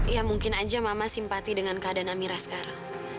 ya mungkin aja mama simpati dengan keadaan amira sekarang